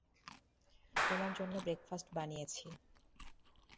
তোমার জন্য ব্রেকফাস্ট বানিয়েছি।